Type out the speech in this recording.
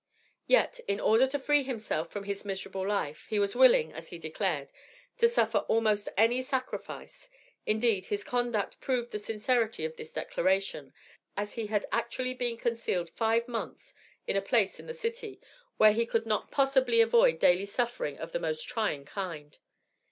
Yet, in order to free himself from his "miserable" life, he was willing, as he declared, to suffer almost any sacrifice. Indeed, his conduct proved the sincerity of this declaration, as he had actually been concealed five months in a place in the city, where he could not possibly avoid daily suffering of the most trying kind.